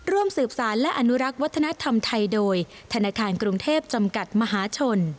ร่วมสืบสารและอนุรักษ์วัฒนธรรมไทยโดยธนาคารกรุงเทพจำกัดมหาชน